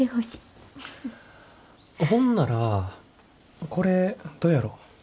ほんならこれどやろ？